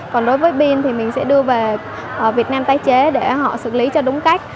còn đối với pin thì mình sẽ đưa về việt nam tái chế để họ xử lý cho đúng cách